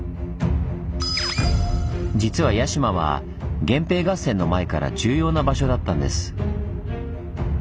実は屋島は源平合戦の前から重要な場所だったんです。